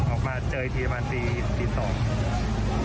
ออกมาเจออีกทีประมาณตี๒เพราะว่าตี๒นี้ฝนตกหนักครับ